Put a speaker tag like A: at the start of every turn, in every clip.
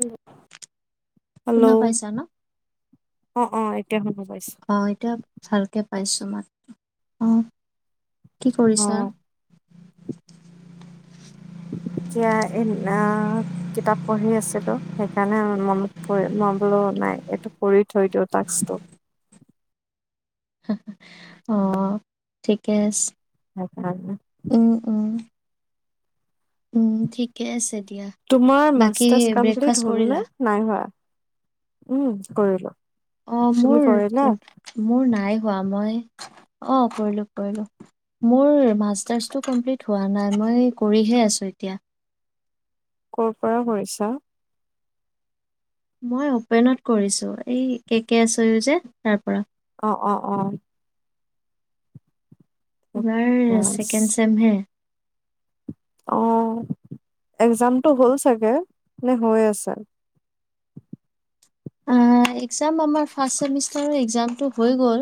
A: উম hello
B: শুনা পাইছা ন?
A: অ অ এতিয়া শুনি
B: অ এতিয়া ভালকে পাইছো মাত্ৰ অ কি
A: অ
B: কৰিছা
A: এতিয়া এ কিতাপ পঢ়ি আছিলো। সেইকাৰণে মনত পৰি মই বোলো নাই এইটো কৰি থৈ দিওঁ টাক্সটো
B: অ ঠিকে আছে। উম, উম,
A: [unintelligible]
B: উম, ঠিকে আছে দিয়া।
A: তোমাৰ
B: বাকী
A: মাষ্টাৰ্চ কমপ্লিট
B: ব্ৰেকফাষ্ট
A: হ'ল
B: কৰিলা?
A: নে নাই হোৱা? উম কৰিলো
B: অ
A: তুমি
B: মোৰ
A: কৰিলা
B: মোৰ নাই হোৱা মই অ কৰিলো কৰিলো মোৰ মাষ্টাৰ্ছটো কমপ্লিট হোৱা নাই মই কৰিহে আছো এতিয়া।
A: কৰ পৰা কৰিছ?
B: মই অপেনত কৰিছো এই কে কে [unintelligible] যে তাৰ পৰা।
A: অ অ অ
B: এবাৰ
A: ঠিকে আছে।
B: ছেকেণ্ড চেম হে
A: অ এক্সজামটো হ'ল চাগে। নে হৈ আছে?
B: এক্সজাম আমাৰ ফাৰ্ষ্ট চেমিষ্টাৰৰ এক্সজামটো হৈ গ'ল।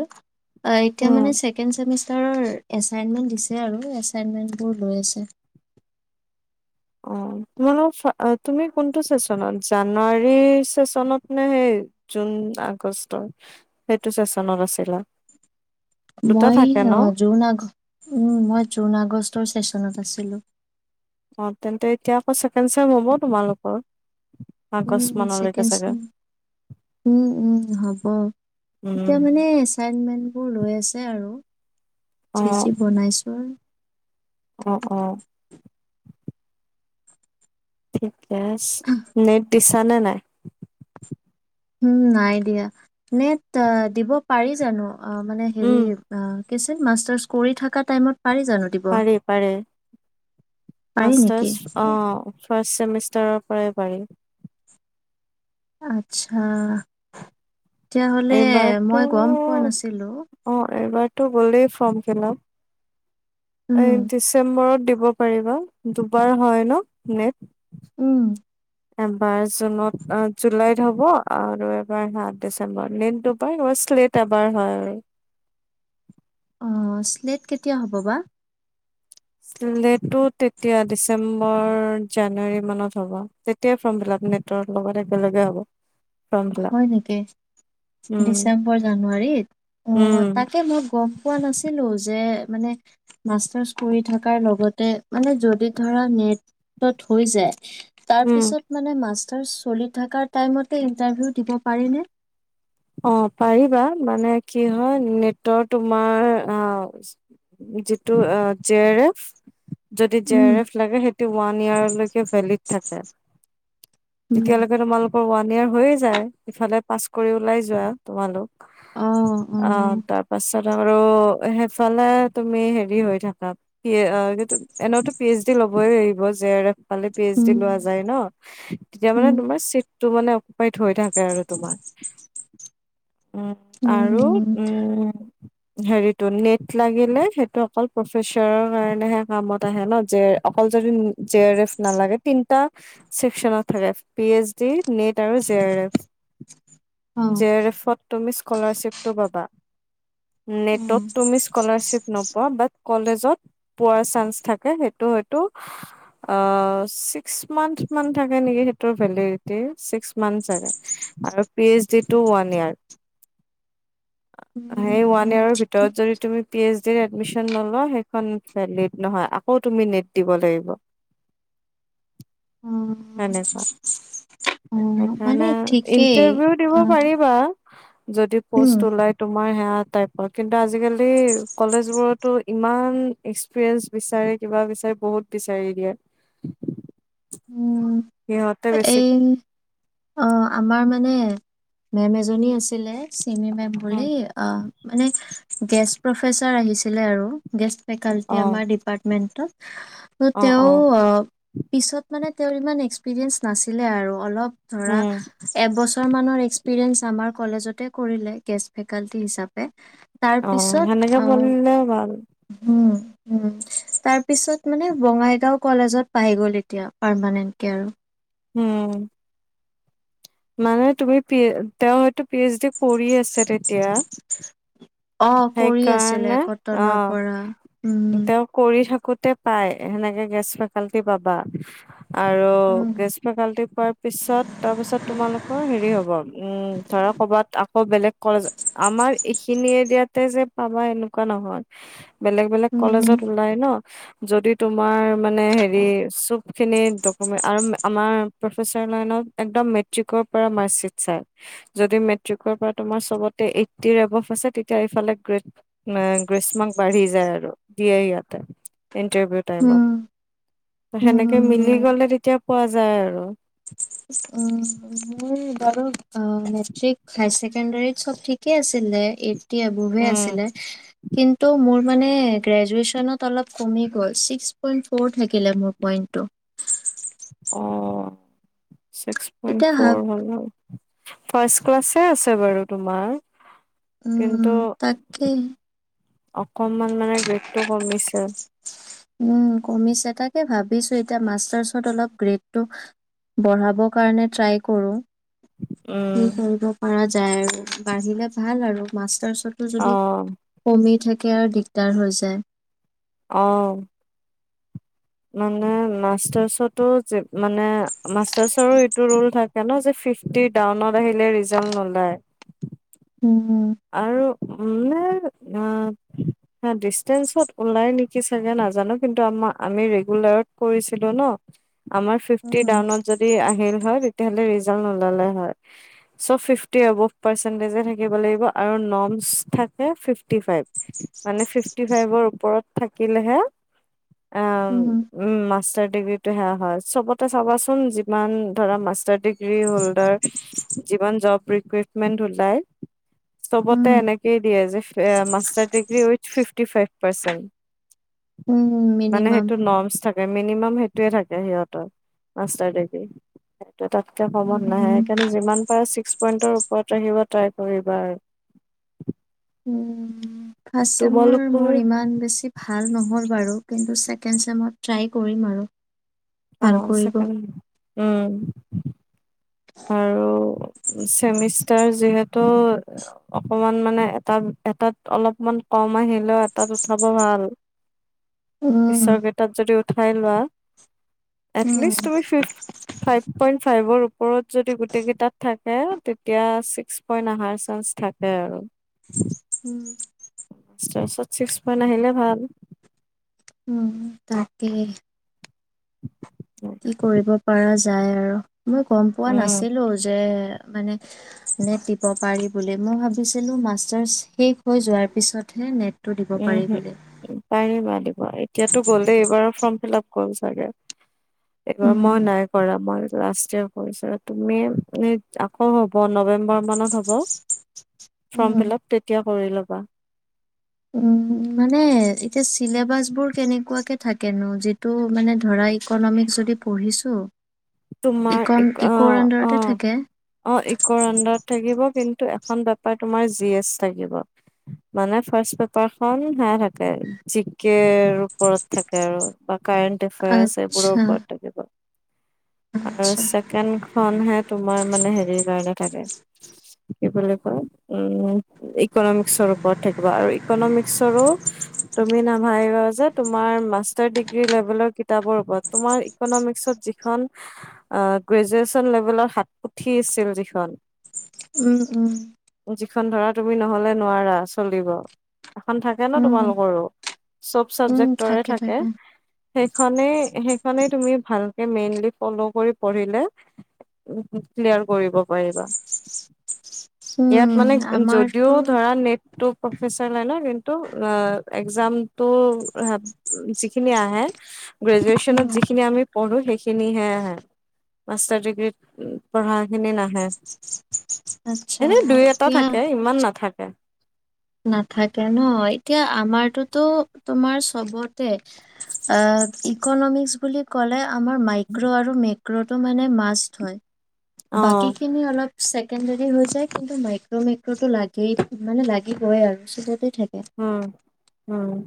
B: অ এতিয়া
A: উম
B: মানে ছেকেণ্ড চেমিষ্ট- টাৰৰৰ এছাইনমেণ্ট দিছে আৰু এছাইনমেন্টবোৰ লৈ আছে।
A: অ তোমালোক ফা তুমি কোনটো চেচনত জানুৱাৰী চেচনত নে সেই জুন আগষ্টৰ সেইটো চেচনত আছিলা? দুটা
B: মই
A: থাকে ন
B: জুন আগ জুন আগষ্টৰ চেচনত আ- ছিলো
A: অ তেন্তে এতিয়া আকৌ ছেকেণ্ড চেম হ'ব তোমালোকৰ আগষ্ট
B: উম
A: মানলৈকে
B: চেকেণ্ড
A: চাগে
B: চেম উম উম হ'ব এতিয়া
A: উম
B: মানে এচাইনমেণ্টবোৰ লৈ আছে আৰু
A: অ
B: যি যি বনাইছো
A: অ অ ঠিকে [unintelligible] জানা নাই
B: উম নাই দিয়া নে দিব পাৰি জানো অ মানে হেৰি
A: উম
B: অ কিচেন মাষ্টাৰছ কৰি থকা টাইমত পাৰি জানো দিব
A: পাৰে পাৰে
B: পাৰি
A: মাষ্টাৰ
B: নেকি?
A: অহ ফাৰ্ষ্ট ছেমিষ্টাৰৰ পৰাই পাৰি
B: আচ্ছা তেতিয়াহ'লে
A: এইবাৰতো
B: মই গম পোৱা নাছিলো
A: টো গলেই ফৰ্ম ফিলাপ
B: উম,
A: এই ডিচেম্বৰত দিব- পাৰিবা। দুবাৰ হয় ন নেট?
B: উম
A: এবাৰ জুনত জুলাইত হ'ব আৰু এবাৰ সাত ডিচেম্বৰত নিনটোবাৰাৰ শ্লেট এবাৰ হয় আৰু
B: অ স্লেট কেতিয়া হ'ব বা?
A: শ্লেট টো তেতিয়া ডিচেম্বৰ জানুৱাৰী মানত হ'ব তেতিয়া ফৰ্ম ফিল আপ নেটৰ লগত একেলগে হ'ব। ফৰ্ম ফিল আপ
B: হয় নেকি
A: উম
B: ডিচেম্বৰ জানুৱাৰীত অ
A: উম
B: তাকে মই গম পোৱা নাছিলো যে মানে মাষ্টাৰ্চ কৰি থকাৰ লগতে মানে যদি ধৰা নেটত হৈ যায়। তাৰ
A: উম
B: পিছত মানে মাছ। চলি থকা টাইমতে ইণ্টাৰভিউ দিব পাৰিনে?
A: অ পাৰিবা মানে কি হয় নেটৰ তোমাৰ যিটো জে আৰ এফ যদি জে
B: উম,
A: আৰ এফ লাগে সেইটো ওৱান ইয়েৰলৈকে ভেলিড থাকে। থাকে।
B: উম।
A: তেতিয়ালগে তোমালোক ওৱান ইয়াৰ হৈয়ে যায় ইফালে পাছ কৰি ওলাই য যোৱা তোমালোক। অ তাৰ পাছত আৰু ইফালে তুমি হেৰি হৈ থাকা এনেতো পি এইচ ডি ল'বই লাগিব যে [unintelligible] পি এইচ ডি লোৱা
B: উম।
A: যায় ন তেতিয়া মানে
B: উম,
A: তোমাৰ চিত টো মানে অকপাই থ হৈ থাকে আৰু তোমাৰ। উম আৰু
B: উম,
A: উম। হেৰিটো নেট লাগে নে সেইটো অকল প্ৰফেছাৰ কাৰণে হে কামত আহে ন যে অকল যদি যে আৰ এফ নালাগে তিনটা চেকচনত থাকে থি এইচ ডি নেত আৰু যে আৰ এফ।
B: অ',
A: যে আৰ এফত। তুমি স্কোলাৰ শ্বিফ্ট টো পাবা নেটত
B: অ',
A: তুমি স্কোলাৰ শ্বিফ্ট নোপোৱা বাট কলেজত পোৱাৰ চাঞ্চ থাকে সেইটো আ ছিক্স মান্থ মান থাকে নিকি হেইটো ভেলিদিতী ছিক্স মান্থ চাগে আকৌ P H to one year. সেই ওৱান
B: উম,
A: ইয়েৰৰ
B: ঠিকে
A: ভিতৰত যদি তুমি পি এইচ ডিত এডমিছন নোলোৱা, সেইখন ভেলিড নহয়। আকৌ তুমি নেট দিব লাগিব।
B: অ',
A: সেনেকুৱা
B: অ', মানে
A: সেইকাৰণে
B: ঠিকেই
A: ইণ্টাৰভিউ দিব
B: অ',
A: পাৰিবা। যদি
B: উম,
A: পোষ্ট ওলাই তোমাৰ হেয়াত টাইপ ক কিন্তু আজ আজি-কালি কলেজবোৰটো ইমান এক্সপিৰিয়েঞ্চ বিচাৰে, কিবা বিচাৰে বহুত বিচাৰি দিয়ে।
B: উম
A: সিহঁতে বেছি
B: এই অ আমাৰ মানে উম, মেম এজনী আছিলে। ইনে নেম
A: উম,
B: ভলি অ এনে গেষ্ট প্ৰফেচাৰ আহিছিলে আৰু গেষ্ট ফেকাল্টি
A: অ
B: আমাৰ ডিপাৰ্টমেণ্টত ত তেওঁ অ পিছত মানে তেওঁৰ ইমান এক্সপিৰিয়েন্ঞ্চ নাছিলে আৰু অলপ ধৰা
A: উম
B: এবছৰ মানৰ এক্স পিৰেঞ্চ আমাৰ কলেজতে কৰিলে গেষ্ট ফেকালটি হিচাপে। তাৰ
A: অ
B: পিছত,
A: সেনেকে
B: অহ
A: পঢ়িলে ভাল
B: হুম। উম তাৰ পিছত মানে বঙাইগাঁও কলেজত পাই গ'ল। এতিয়া পাৰমানেন্ট কে আৰু।
A: উম। মানে তুমি পি তেওঁ হয়তো পি এইচ ডি কৰি আছে তেতিয়া
B: অ কৰি আছিলে
A: সেইকাৰণে
B: কটনৰ
A: অ'।
B: পৰা উম।
A: তে পাই, সেনেকে গেছ ফেকালটি পাবা। আৰু
B: উম
A: গেষ্ট ফেকাল্টি পোৱাৰ পিছত তাৰপিছত তোমালোকৰ হেৰি হ'ব উম ধৰা কৰ'বাত আকৌ বেলেগ কলে আমাৰ এইখিনিয়ে ইয়াতে যে পাবা এনেকুৱা নহয়। বেলেগ-বেলেগ কলেজত ওলাই ন? যদি তোমাৰ মানে হেৰি আমাৰ খিনিৰ ডকুমেন্ট, আম-আমাৰ প্ৰফেছৰ লাইনত একদম মেট্ৰিকৰ পৰা মাৰ্কশ্বিট চায়। যদি মেট্ৰিকৰ পৰা তোমাৰ চবতে এইটটিৰ এবভ আছে, তেত এতিয়া ইফালে গ গ্ৰীষ্মক বাঢ়ি যায় আৰু দিয়ে ইয়াতে। ইণ্টাৰভিউ
B: উম উম
A: টাইমত।
B: উম
A: সেনেকে মিলি গলে তেতিয়া পোৱা যায় আৰু।
B: উম মোৰ বাৰু আ মেট্ৰিক হায় ছেকেণ্ডাৰীত চব ঠিকে আছিলে এই [unintelligible] বোৰে
A: উম
B: আছিলে কিন্তু মোৰ মানে গ্ৰেজুৱে্চনত অলপ কমি গ'ল ছিক্স পইণ্ট ফ'ৰ থাকিলে মোৰ পইণ্টটো
A: অঁঃ। ছিক্স পইণ্ট
B: এতিয়া
A: ফৰ
B: ভাব
A: হয় ন। ফা'ষ্ট ক্লাছে আছে বাৰু তোমাৰ।
B: উম তাকে।
A: অকণমান মানে গ্ৰেডটো কমিছে।
B: উম কমিছে তাকে ভাবিছো এতিয়া মাষ্টাৰ্চত অলপ গ্ৰেডটো বঢ়াব কাৰণে ট্ৰাই কৰো। কি
A: উম
B: কৰিব পৰা যায়। উম বাঢ়িলে ভাল আৰু মাষ্টাৰচ
A: অ
B: যদি কমি থাকে। কেৰিয়াৰ দিগদাৰ হৈ যায়।
A: অঁঃ মানে মাষ্টাচটো মানে মাষ্টাৰ্ছৰোএইটো ৰোল থাকে যে ফিফট্টী ডাওনত আহিলে ৰিজাল্ট নোলায়।
B: উম।
A: উ নে আ ডিষ্টেঞ্চত ওলাই নেকি চাগে নাজানো কিন্তু আমাৰ আমি ৰেগুলাৰত কৰিছিলো ন আমাৰ ফিফট্টী
B: উম
A: ডাওনত যদি আহিল হয় তেতিয়া হ'লে ৰিজাল্ট নোলালে হয় চব ফিফট্টী এবভ পাৰ্চেন্টেজে থাকিব লাগিব আৰু ন'মচ থাকে ফিফট্টী ফাইভ মানে ফিফটি ফাইভৰ ওপৰত থাকিলেহে উম মাষ্টাত চবতে সেয়া হয় চবতে চাবাচোন যিমান ধৰা মাষ্টাৰ ডিগ্ৰী হলদাৰ যিমান জব বোৰ যিমান ওলায় সবতে
B: উম
A: এনেকেই দিয়ে যে master degree with fifty five percent
B: um minimum
A: থাকে মিনিমাম সেইটোয়ে থাকে সিহঁতৰ মাষ্টাৰ ডিগ্ৰী তাতকে কমত নাহে
B: উম
A: সেইকাৰণে যিমান ছিক্স পইন্টৰ ওপৰত আহিব ট্ৰাই কৰিবা আৰু
B: উম আছে মোৰ
A: তোমালোকৰ
B: মোৰ ইমান বেছি ভাল নহ'ল বাৰু কিন্তু ছেকেণ্ড চেমত ট্ৰাই কৰিম আৰু
A: অ
B: ভাল
A: চেষ্টা
B: কৰিব
A: কৰিম উম আৰু চেমিষ্টাৰ যিহেতু অকমান মানে এটা এটাত অলপমান কম আহিলেও এটাত উঠাব ভাল
B: উম
A: পিছৰ কেটাত যদি ধৰিলোৱা এটলিষ্ট
B: উম
A: তুমি ফিফ ফাইভ পইন্ট পাইবৰো ওপৰত যদি গোটেইকেইটা থাকে হে তেতিয়া ছিক্স পইন্ট অহাৰ চান্স থাকে আৰু
B: উম
A: ছচৰত ছিক্স পইণ্ট আহিলে ভাল
B: উম তাকেই
A: নাই
B: কি কৰিব পাৰা যায় আৰু মই গম পোৱা নাছিলো যে মানে নেট দিব পাৰি বুলি মই ভাবিছিলোঁ মাষ্টাৰছ শেষ হৈ যোৱাৰ পিছতহে নেট
A: উম হম পাৰিবাৰ এতিয়াতো গ'লে এইবাৰ ফ্ৰম ফিলাব হল চাগে একবাৰ মই
B: উম
A: নাই কৰা মই লাষ্ট ইয়ে কৰিছা তুমি আকৌ হ'ব নৱেম্বৰ মানত হ'ব ফৰ্ম
B: উম
A: ফিলআপ তেতিয়া কৰি ল'বা
B: মানে এতিয়া চিলেবাছবোৰ কেনেকুৱাকে থাকেনো যিটো মানে ধৰা ইকনমিকস যদি পঢ়িছোঁ
A: তোমাৰ ই অ অ
B: থাকে
A: অ ইকৰ আন্ডাৰত থাকিব কিন্তু এখন বেপাৰ তোমাৰ জি এচ থাগিব মানে ফাৰ্ষ বেপাৰ খন সে থাকে জি কেৰ ওপৰত থাকে আৰু কাৰেণ্ট এফেয়াচ এইবোৰ
B: আচ্ছা
A: ওপৰত থাকিব আৰু
B: আচ্ছা
A: চেকেণ্ড খনহে তোমাৰ মানে হেৰি কাৰণে থাকে কি বুলি কয় উ ইকনমিক্সৰ ওপৰত থাকিবা আৰু ইকনমিক্সৰো তুমি নাভাবিবা যে তোমাৰ মাষ্টাৰ ডিগ্ৰী লেভেলৰ কিতাপৰ ওপৰত তোমাৰ ইকনমিক্সত যিখন আহ গ্ৰেজুৱেচন লেভেলৰ সাত পুথি আছিল যিখন
B: উম উম
A: যিখন ধৰা তুমি নহলে নোৱাৰা চলিব এখন থাকে ন
B: উম
A: তোমালোকৰো চব চাবজেক্টৰ থাকে সে খনেই সেইখনেই তুমি ভালকে মেইনলি ফল' কৰি পঢ়িলে ক্লিয়াৰ কৰিব পাৰিবা ইয়াত
B: উম
A: মানে যদিও
B: আমাৰতো
A: ধৰা নেটটো প্ৰফেচাৰ লাইনৰ কিন্তু একজামতো যি খিনি আহে গ্ৰেজুৱেচনত
B: উম
A: যিখিন আমি পঢ়ো সই সেইখিনি হে মাষ্টাৰ ডিগ্ৰী পঢ়া খিনি নাহে
B: আচ্ছা
A: এনেই দুই এটা
B: এতিয়া
A: থাকে ইমান নাথাকে
B: নাথাকে ন এতিয়া আমাৰতোতে তোমাৰ চবতে অ ইকনমিক্স বুলি ক'লে আমাৰ মাইক্ৰ' আৰু মেক কক্ৰটো মানে মাছ ধয়
A: অ
B: [unintelligible] বাকী খিনি অলপ চেকেণ্ডাৰী হৈ যায় কিন্তু মাইক্ৰ মাইক্ৰটো লাগেই মানে লাগে কি কৰে আৰু ইতে
A: উম উম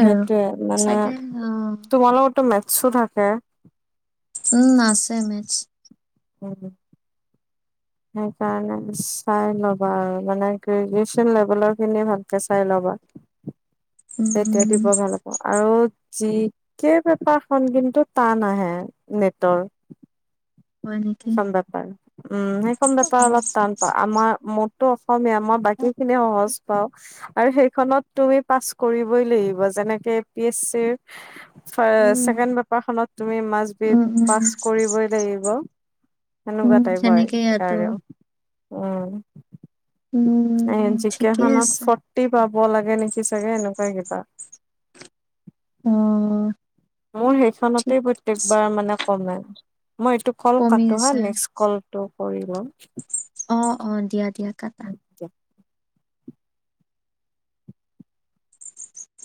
A: সেইটোৱে মানে
B: চাগে অ
A: তোমালগত মে উচছু থাকে
B: উম আছে মেজ
A: সেইকাৰণে চাই ল'বা আৰু মানে গ্ৰেজুৱয়েচন লেভেলৰ খিনি ভালকে চাই ল'বা তেতিয়া
B: উম
A: দিব ভাল হব আৰু যি ক বেপাৰখন কিন্তু টান আহে নেটৰ
B: হয় নেকি
A: সেইচম বেপাৰ উম সেই কম বেপাৰ অলপ টান আমাৰ ফ [unintelligible] অসমীয়া মই বাকী খিনি সহজ আৰু সেই খনত পাছ কৰিবই লাগিব, যেনেকৈ A P S C
B: um
A: second paper খনত তুমি মাছ বিধ
B: উম
A: পাছ
B: উম
A: কৰিবই লাগিব
B: উম
A: সনেকুৱা টাইপ হয়
B: সেনেকে ইয়াতো
A: আৰু উম এ
B: উম ঠিকেই
A: জিকেখনত
B: আছে
A: ফৰটি পাব লাগে নেকি চাগে এনেকুৱা কিবা
B: অঁ
A: মোৰ সেইখনতে প্ৰত্যেকবাৰ মানে কমাই মই এইটো কল
B: কমি
A: কাটো হা
B: আছে
A: নেক্স কল টো কৰি ল'ম
B: অঁ অঁ দিয়া দিয়া কটা।
A: দিয়া